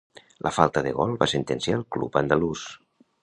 La falta de gol va sentenciar el club andalús.